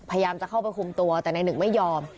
พยายามจะเข้าไปคุมตัวแต่นายหนึ่งไม่ยอม